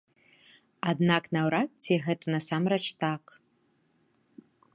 Аднак наўрад ці гэта насамрэч так.